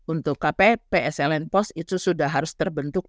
untuk kppsln pos itu sudah harus terbentuk